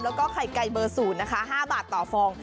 แล้วก็ไข่ไก่เบอร์๐นะคะ๕บาทต่อฟอง